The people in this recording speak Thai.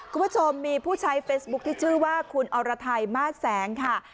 คุณผู้ชมมีผู้ใช้เฟซบุ๊คที่ชื่อว่าคุณอรไทยมาสแสงค่ะ